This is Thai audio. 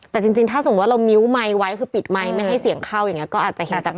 แต่จริงถ้าสมมุติเรามิ้วไมค์ไว้คือปิดไมค์ไม่ให้เสียงเข้าอย่างนี้ก็อาจจะเห็นต่าง